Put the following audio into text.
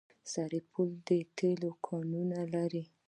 سرپل د تیلو کانونه لري